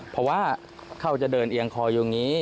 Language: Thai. เพราะว่าเขาจะเดินเอียงคออยู่อย่างนี้